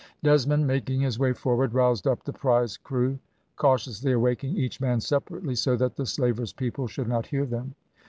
Desmond, making his way forward, roused up the prize crew, cautiously awaking each man separately, so that the slaver's people should not hear them.